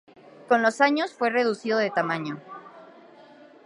Con los años fue reducido de tamaño.